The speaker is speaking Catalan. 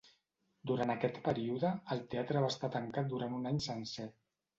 Durant aquest període, el teatre va estar tancat durant un any sencer.